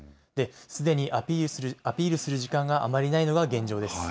すでにアピールする時間があまりないのが現状です。